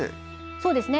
そうですね。